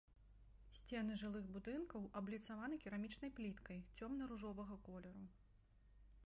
Сцены жылых будынкаў абліцаваны керамічнай пліткай цёмна-ружовага колеру.